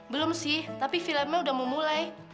belum sih tapi filmnya udah mau mulai